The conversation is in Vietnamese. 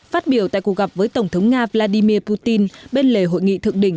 phát biểu tại cuộc gặp với tổng thống nga vladimir putin bên lề hội nghị thượng đỉnh